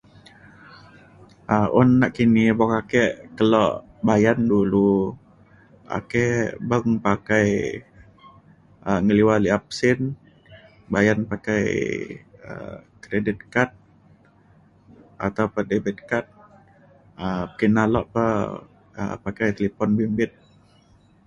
um un nekini boka ake kelo bayen dulu ake beng pakai um ngeliwa li'ap sin bayen pakai um kredit kad atau pa debit kad um kina lok pa ka pakai talipon bimbit